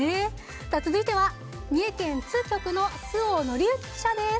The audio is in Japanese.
さあ続いては三重県津局の周防則志記者です。